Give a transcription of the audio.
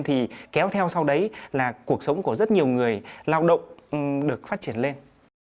thì kéo theo sau đấy là cuộc sống của rất nhiều người lao động được phát triển lên